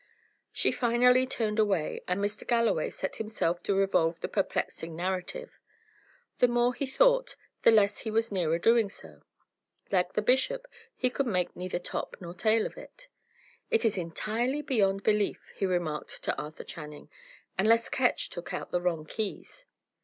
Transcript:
She finally turned away, and Mr. Galloway set himself to revolve the perplexing narrative. The more he thought, the less he was nearer doing so; like the bishop, he could make neither top nor tail of it. "It is entirely beyond belief!" he remarked to Arthur Channing; "unless Ketch took out the wrong keys!"